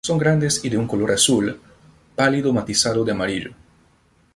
Son grandes y de un color azul pálido matizado de amarillo.